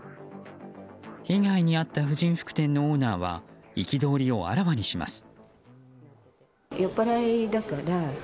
被害に遭った婦人服店のオーナーは憤りをあらわにします。